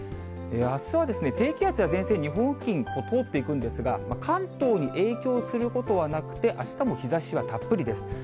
あすは低気圧や前線、日本付近を通っていくんですが、関東に影響することはなくて、あしたも日ざしはたっぷりです。